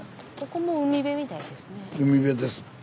ここも海辺みたいですね。